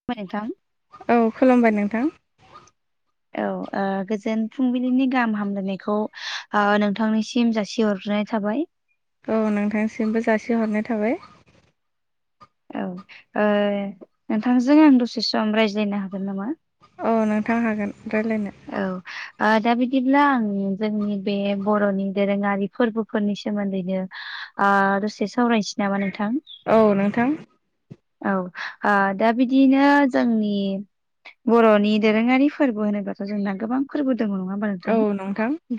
[unintelligible] नोंथां। औ खोनाबाय नोंथां। औ ओ गोजोन फुंबिलिनि गाहाम हामलायनायखौ ओ नोंथांनिसिम जासिहरग्रोनाय थाबाय। औ नोंथांसिमबो जासिहरनाय थाबाय। औ ओ नोंथांजों आं दसे सम रायज्लायनो हागोन नामा? औ नोंथां हागोन रायज्लायनो। औ ओ दा बिदिब्ला आं जोंनि बे बर'नि दोरोङारि। फोरबोफोरनि सोमोन्दैनो आ दसे सावराय नामा नोंथां? औ नोंथां औ ओ दा बिदिनो जोंनि। बर'नि दोरोङारि फोरबो होनोबाथ' जोंना गोबां। फोरबो दङ नङा होमबा औ नोंथां?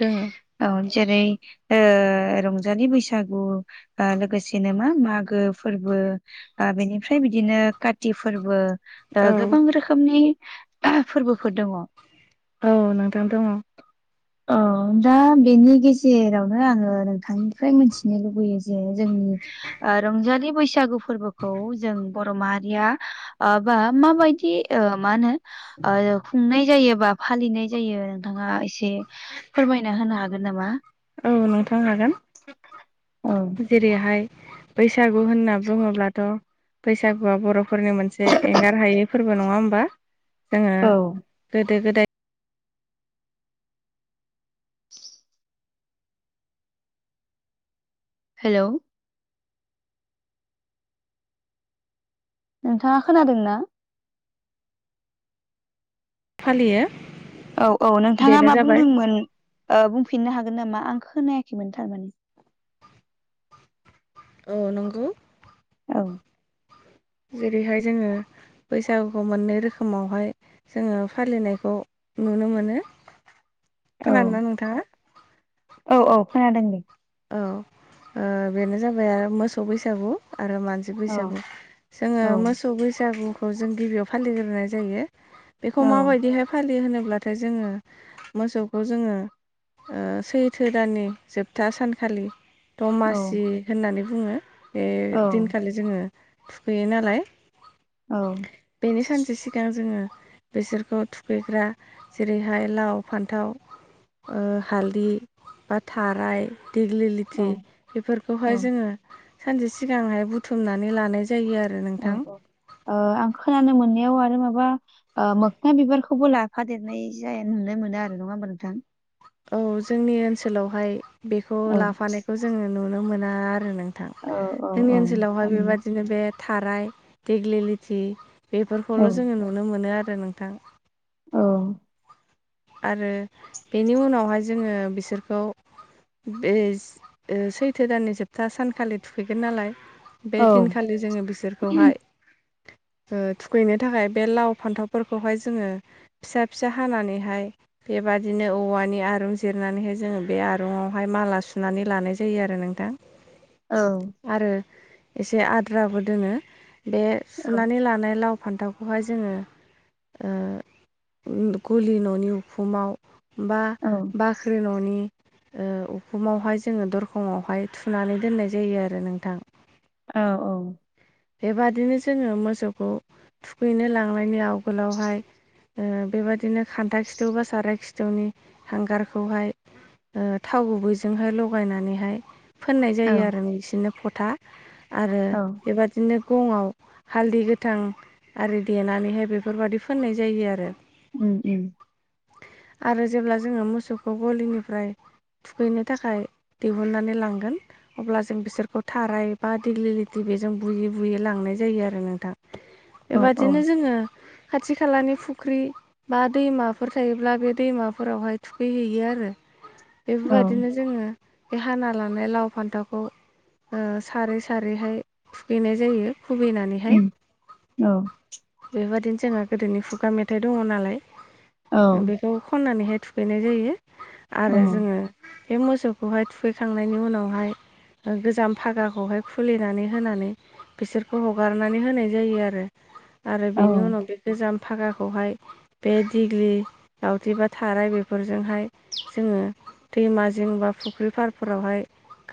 दोङो औ जेरै ओ रंजालि बैसागु। ओ लोगोसेनो मा मागो फोरबो। ओ बेनिफ्राय बिदिनो काति फोरबो। ओ औ गोबां रोखोमनि फोरबोफोर दङ। औ नोंथां दङ। ओ। अ दा बेनि गेजेरावनो आङो नोंथांनिफ्राय मिथिनो लुबैयो जे जोंनि ओ रंजालि बैसागु फोरबोखौ जों बर' माहारिया ओ बा माबायदि ओ मा होनो ओ खुंनाय जायो बा फालिनाय जायो नोंथाङा एसे फोरमायना होनो हागोन नामा? औ नोंथां हागोन। [unintelligible] जेरैहाय बैसागु होनना बुङोब्लाथ' बैसागुआ बर' फोरनि मोनसे एंगार हायै फोरबो नङा होमबा जोङो औ गोदो गोदाय हेलौ? नोंथाङा खोनादों ना? फालियो। औ औ नोंथाङा बेनो मा जाबाय बुंदोंमोन ओ बुंफिननो हागोन नामा आं खोनायाखैमोन थारमाने? अ नंगौ। औ। जेरैहाय जोङो बैसागुखौ मोननै रोखोमावहाय जोङो फालिनायखौ नुनो मोनो खोनादोंना नोंथाङा? औ औ खोनादों दे। औ ओ बेनो जाबाय आरो मोसौ बैसागु आरो मान सि औ बैसागु जोङो औ मोसौ बैसागुखौ जों गिबियाव फालिग्रोनाय जायो। औ बेखौ माबायदिहाय फालियो होनोब्लाथाय जोङो मोसौखौ जोङो ओ सैथो दाननि जोबथा सान खालि औ दमासि होननानै बुङो बे औ दिनखालि जोङो थुखैयो नालाय औ। बेनि सानसे सिगां जोङो बेसोरखौ थुखैग्रा जेरैहाय लाव फान्थाव ओ हालदि बा थाराय देग्लि लोथि औ औ बेफोरखौहाय जोङो सानसे सिगांहाय बुथुमनानै लानाय जायोआरो। औ आं खोनानो मोननायाव आरो माबा ओ मोख्ना बिबारखौबो लाफा देरनाय जाय नुनो मोनो आरो नङा होमबा नोंथां? औ जोंनि ओनसोलावहाय बेखौ औ लाफानायखौ जोङो नुनो मोना आरो नों थां औ औ जोंनि औ ओनसोलावहाय थारैनो बेबायदिनो बे थाराय देग्लि लिथि औ बेफोरखौल' जोङो नुनो मोनो आरो नोंथां। औ। आरो बेनि उनावहाय जोङो बिसोरखौ बेज ओ सैथो दाननि जोबथा सानखालि थुखैगोन नालाय औ बे दिनखालि जोङो बिसोरखौहाय ओ थुखैनो थाखाय बे लाव फान्थावफोरखौहाय जोङो फिसा फिसा हानानैहाय बेबादिनो औवानि आरुं जिरनानैहाय जोङो बे आरुंआवहाय माला सु सुनानै लानाय जायो आरो नोंथां। औ। आरो एसे आद्राबो दोङो बे सुनानै लानाय लाव फान्थावखौहाय जोङो ओ उम गलि न नि उखुमाव बा बाख्रि न नि ओ उखुमावहाय जोङो दरखं आवहाय थुनानै दोननाय जायो आरो नोंथां औ औ बेबादिनो जोङो मोसौखौ थुखैनो लांनायनि आवगोलावहाय ओ बेबायदिनो खान्था खिथु बा साराय खिथुनि हांगारखौहाय ओ थाव गुबैजोंहाय लगायनानैहाय फोननाय जायो औ आरो बिसिनो फथा आरो औ बेबादि नो गङाव हालदै गोथां आरो देनानैहाय बेफोरबादि फोननाय जायो आरो उम उम आरो जेब्ला जोङो मोसौखौ गलिनिफ्राय थुखैनो थाखाय दिहुननानै लांगोन अब्ला जों बिसोरखौ थाराय बा दिग्लिलिथि बेजों बुयै बुयै लांनाय जायो आरो नोंथां औ औ बेबादिनो जोङो खाथि खालानि फुख्रि बा दैमाफोर थायोब्ला बे दैमाफोरावहाय थुखैहैयो आरो औ बेफोरबादिनो जोङो बे हाना लानाय लाव फान्थावखौ ओ सारै सारैहाय थुखैनाय जायो खुबैनानैहाय उम औ बेबादिनो जोङो गोदोनि खुगा मेथाइ दङ नालाय औ खौ खननानैहाय थुखैनाय जायो औ आरो जोङो बे मोसौखौहाय थुखैखांनायनि उनावहाय ओ गोजाम फागाखौहाय खुलिनानै होनानै बिसोरखौ हगारनानै होनाय जायो आरो आरो औ बेनि उनाव बे गोजाम फागाखौहाय बे दिग्लि लावथि बा थाराय बेफोरजोंहाय जोङो दैमा जिं बा फुख्रि फारफोरावहाय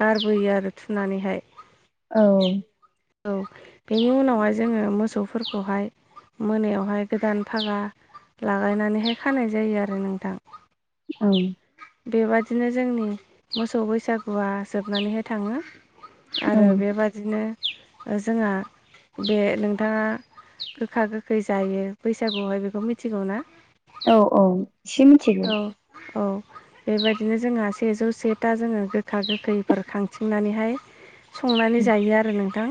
गारबोयो आरो थुनानैहाय औ औ बेनि उनावहाय जोङो मोसौफोरखौहाय मोनायावहाय गोदान फागा लागायनानैहाय खानाय जायो आरो नोंथां औ बेबादिनो जोंनि मोसौ बैसागुआ जोबनानैहाय थाङो ओं आरो बेबादिनो ओ जोंहा बे नोंथाङा गोखा गोखै जायो बैसागुआवहाय बेखौ मिथिगौ ना औ औ एसे मिनथिगौ औ औ बेबायदिनो जोंहा सेजौ सेथा जोङो गोखा गोखैफोर खांथिंनानैहाय सं जायो आरो नोंथां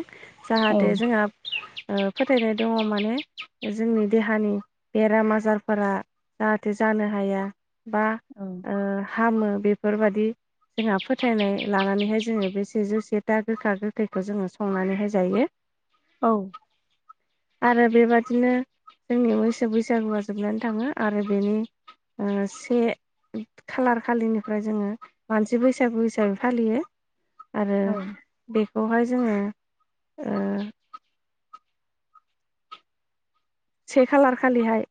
औ जाहाथे जोंहा ओ फोथायनाय दङ माने जोंनि देहानि बेराम आजारफोरा जाहाथे जानो हाया बा औ ओ हामो बेफोरबादि जोंहा फोथायनाय लानानैहाय जोङो बे सेजौ से था गोखा गो खैखौ जोङो संनानैहाय जायो औ आरो बेबादिनो जोंनि मैसो बैसागुआ जोबनानै थाङो आरो बेनि ओ से खालार खालिनिफ्राय जोङो मानसि बैसागु हिसाबै फालियो आरो औ बेखौहाय जोङो ओ से खालार खालिहाय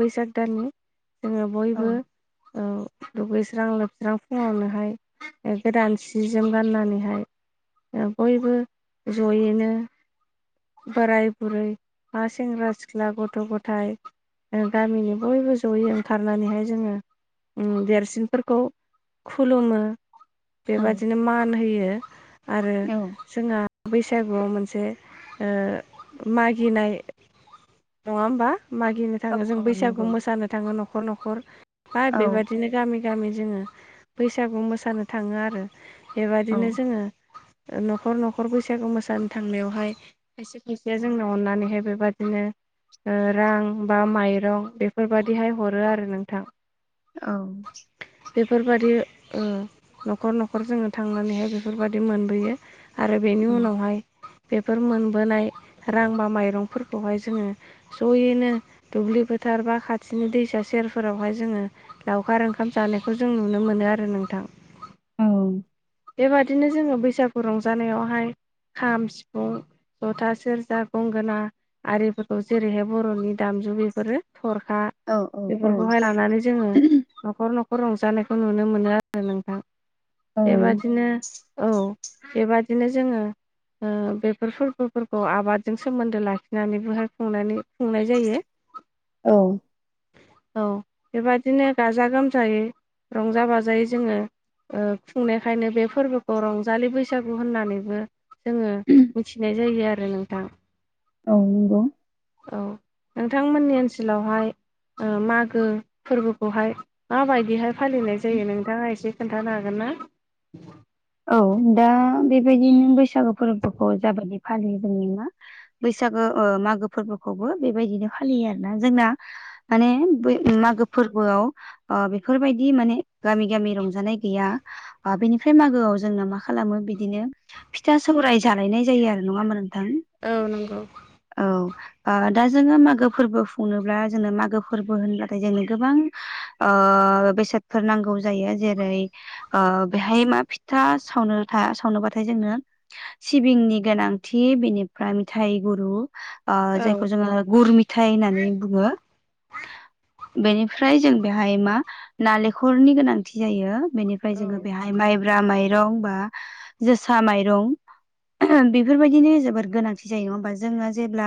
बैसाग दाननि जोङो बयबो ओ [inaudible] दुगैस्रां लोबस्रां फुङावनोहाय ओ गोदान सि जोम गाननानैहाय ओ बयबो जयैनो बोराय बुरै बा सेंग्रा सिख्ला गथ' गथाय ओ गामिनि बयबो जयै ओंखारनानैहाय जोङो उम देरसिनफोरखौ खुलुमो औ बेबादिनो मान होयो आरो औ जोंहा बैसागुआव मोनसे ओ मागिनाय नङा होमबा मागिनो थाङो जों औ बैसागु नंगौ मोसानो थाङो न'खर न'खर मा औ बेबायदिनो गामि गामि जोङो बैसागु मोसानो थाङो आरो औ बेबदिनो जोङो ओ न'खर न'खर बैसागु मोसानो थांनायावहाय खायसे खायसेया जोंनो अननानैहाय बेबादिनो ओ रां बा माइरं बेफोरबायदिहाय हरो आरो नोंथां औ [unintelligible] बेफोरबादि ओ न'खर न'खर जोङो थांनानैहाय बेफोरबायदि मोनबोयो आरो बेनि उनावहाय बेफोर मोनबोनाय रां बा माइरंफोरखौहाय जोङो ज'यैनो दुब्लि फोथार बा खाथिनि दैसा सेरफोरावहाय जोङो लावखार ओंखाम जानायखौ जों नुनो मोनो आरो नोंथां। औ बेबादिनो जोङो बैसागु रंजानायावहाय खाम सिफुं जथा सेरजा गंगोना आरिफोरखौ जेरैहाय बर'नि दामजु बेफोरो थरखा औ औ बेफोरखौहाय लानानै जोङो न'खर न'खर रंजानायखौ नुनो मोनो आरो नोंथां नंगौ बेबादिनो औ बेबादिनो जोङो ओ बेफोर फोरबोफोरखौ आबादजों सोमोन्दो लाखिनानैबोहाय खुंनानै खुंनाय जायो औ औ बेबायदिनो गाजा गोमजायै रंजा बाजायै जोङो ओ खुंनायखायनो बे फोरबोखौ रंजालि बैसागु होननानैबो जोङो मिथिनाय जायो आरो नोंथां औ नंगौ औ नोंथां मोननि ओनसोलावहाय ओ मागो फोरबोखौहाय माबायदिहाय फालिनाय जायो नोंथाङा एसे खोन्थानो हागोन ना? औ दा बेबायदिनो बैसागु फोरबोखौ जाबायदि फालियो जोंनि मा बैसागो ओ मागो फोरबोखौबो बेबायदिनो फालियो आरोना जोंना माने बै मागो फोरबोआव अ बेफोरबायदि माने गामि गामि रंजानाय गैया आ बेनिफ्राय मागो मागोआव जोंना मा खालामो बिदिनो फिथा सौराय जालायनाय जायो आरो नङा होमबा नोंथां औ नंगौ औ ओ दा जोङो मागो फोरबो खुंनोब्ला जोंनो मागो फोरबो होनब्लाथाय जोंनो गोबां ओ बेसादफोर नांगौ जायो जेरै ओ बेहाय मा फिथा फिथा सावनो था सावनोबाथाय जोंनो। सिबिंनि गोनांथि बिनिफ्राय मिथाय गुरु औ जायखौ जोङो गुर माथाय। मिथायाइ होननानै बुङो बेनिफ्राय जों बेहाय मा नालेंखरनि गोनांथि जायो बेनिफ्राय औ जोङो बेहाय माइब्रा माइरं बा जोसा माइरं ओहोम बेफोरबायदिनो जोबोद गोनांथि जायो नङा होमबा जोङो जेब्ला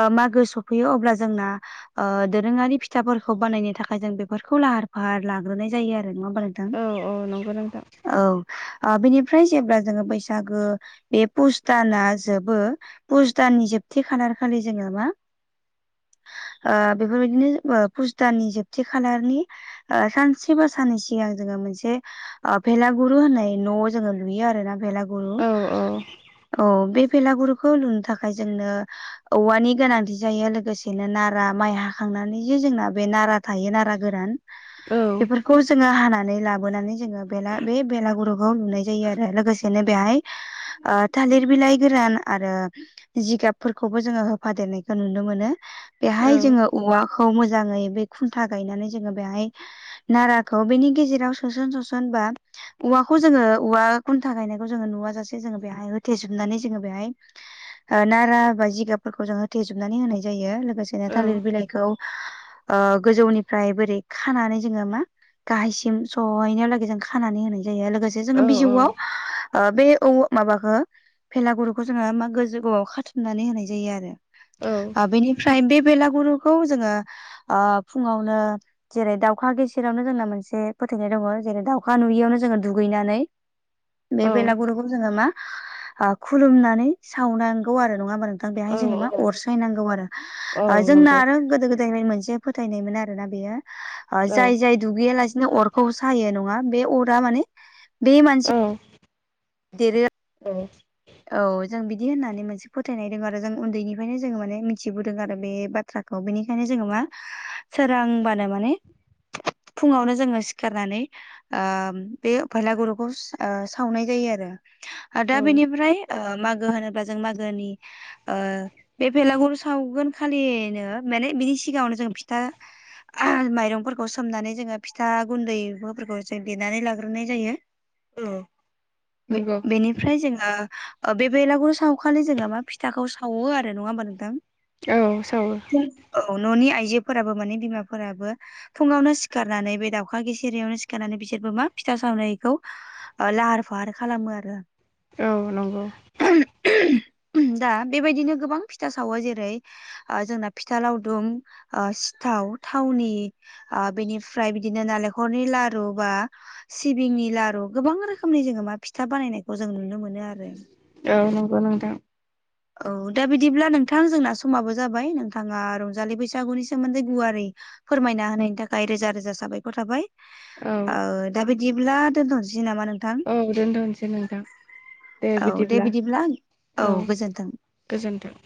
ओ मागो सफैयो अब्ला जोंना ओ दोरोङारि फिथाफोरखौ बानायनो थाखाय जों बेफोरखौ लाहार फाहार लाग्रोनाय जायो आरो नङा होनब्ला नोंथां औ औ नंगौ नोंथां औ ओ बेनिफ्राय जेब्ला जोङो बैसागो बे पुसदाना जोबो बुस दाननि जोबथि खालार खालि जोङो मा ओ बेफोरबायदिनो फुसदाननि जोबथि खालारनि सानसे बा साननै सिगां जोङो मोनसे। भेलागुरु होननाय न'आव जोङो लुयो आरोना भेलागुरु औ औ बे बेलागुरुखौ लुनो थाखाय जोंनो। औवानि गोनांथि जायो लोगोसेनो नारा माइ हाखांनानै जे जोंना बे नारा थायो नारा गोरान। औ बेफोरखौ जोङो हानानै लाबोनानै जोङो। बे बेलागुरुखौ लुनाय जायो आरो लोगोसेनो बेहाय थालिर बिलाइ गोरान आरो जिगाबफोरखौबो होफादेरनायखौ नुनो मोनो बेहाय औवाखौ मोजाङै बे खुन्था गायनानै जोङो बेहाय। नाराखौ बेनि गेजेराव सोसन सोसनबा औवाखौ जोङो औवा खुन्था गायनायखौ जोङो नुवाजासे बेहाय होथेेजोबनानै जोङो बेहाय। नारा बा जिगाबफोरखौ जोङो होथेजोबनानै होनाय जायो लोगोसेनो औ थालिर बिलाइखौ। गोजौनिफ्राय बोरै खानानै जोङो मा गाहायसिम सहैनाय लागै खाना होनाय जायो लोगोसे जोङो बिजौआव बे औ माबाखौ फेलागुरुखौ जोङो मा गोजौआव खाथुमनानै होनाय जायो आरो। बेनिफ्राय बे बेलागुरुखौ जोङो फुङावनो जेरै दावखा गेेसिरियावनो जोंना मोनसे फोथानाय दङ। जेरै दाउखा नुयियावनो जोङो दुगैनानै बे औ बेलागुरुखौ। जोङो मा खुलुमनानै सावनांगौ आरो नङा होमबा। बेहाय जोङो मा औ अर सायनांगौ आरो औ जोंना नंगौ आरो गोदो गोदायनिफ्राय मोनसे। फोथायनायमोन आरोना बेयो जाय जाय दुगैया लासिनो अरखौ। सायो नङा बे अरा माने बे माने औ। देरै [inaudible] औ जों बिदि होननानै मोनसे फोथायनाय दं आरो जों उन्दैनिफ्रायनो जोङो माने मिथिबोदों आरो बे बाथ्राखौ। बिनिखायनो जोङो मा सोरांबानो माने। फुङावनो जोङो सिखारनानै। बे फैलागुरुखौ सावनाय जायो आरो दा बेनिफ्राय मागो होनोब्ला जों मागोनि। बे बेलागुर सावगोन खालिनो माने बिनि सिगाङनो जों फिथा। माइरंफोरखौ सोमनानै जोंङो फिथा गुन्दैफोरखौ जों देनानै लाग्रोनाय जायो। औ बेनि बेनिफ्राय जोंङो बेलागुरु सावखालि जोंङो मा फिथाखौ सौवो आरो नंङा होमबा नोंथां। औ सावो। औ न'नि आइजोफोराबो माने बिमाफोराबो फुंङावनो सिखारनानै बे दाउला गिसिरियावनो सिखारनानै बिसोरबो मा फिथा सावनायखौ। लाहार फाहार खालामो आरो। औ नंगौव दा बेबायदिनो गोबां फिथा सावो जेरै जोंना फिथा लावदुम सिथाव थावनि बेनिफ्राय बिदिनो नालेंखरनि लारु बा सिबिंनि लारु गोबां रोखोम। रोखोमनि जोंङो मा फिथा बानायनायखौ जों नुनो मोनो आरो औव नंगौव नोंथां। दा बिदिब्ला नोंथां जोंना समाबो जाबाय नोंथांङा रंजालि बैसागुनि सोमोन्दै गुवारै। फोरमायना होनायनि थाखाय रोजा रोजा साबायखर थाबाय। औ दा बिदिब्ला दोनथ'नोसै नामा नोंथां? औ दोनथ'नोसै नोंथां औव दे बिदिब्ला औ गोजोनथों। गोजोन्थों।